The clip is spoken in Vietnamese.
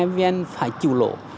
phải chịu lỗ